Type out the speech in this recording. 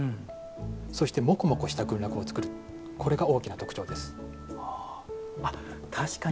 そして、もこもこした群落を作るこれが大きな特徴です。